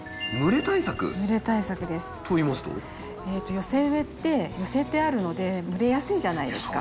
寄せ植えって寄せてあるので蒸れやすいじゃないですか。